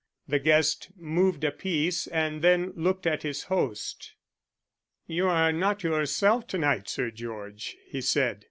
The guest moved a piece and then looked at his host. "You are not yourself to night, Sir George," he said.